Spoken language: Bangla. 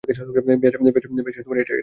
বেশ, এটা অতি সহজ কাজ।